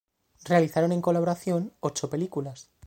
Realizaron en colaboración ocho películas.